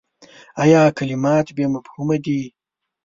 ایا کلمات بې مفهومه دي ؟